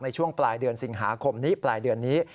ในช่วงปลายเดือนสิงหาคมนี้ปลายเดือนนี้